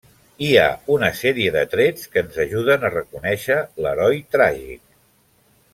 Hi ha una sèrie de trets que ens ajuden a reconèixer l'heroi tràgic.